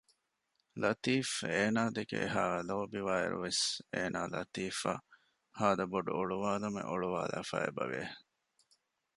ލަތީފް އޭނާ ދެކެ އެހާ ލޯބިވާއިރުވެސް އޭނާ ލަތީފްއަށް ހާދަބޮޑު އޮޅުވާލުމެއް އޮޅުވާލާފައި އެބަވެ